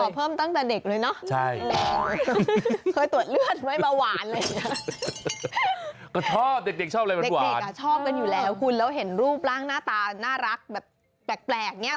แปลว่าคุณชอบทานหวาน